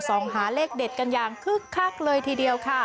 ส่องหาเลขเด็ดกันอย่างคึกคักเลยทีเดียวค่ะ